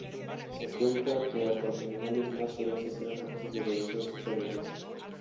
Se cuenta que hasta los animales más feroces eran capaces de obedecer sus órdenes.